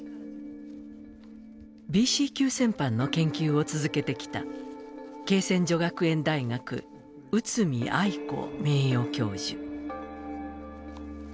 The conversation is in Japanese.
ＢＣ級戦犯の研究を続けてきた恵泉女学園大学内海愛子名誉教授。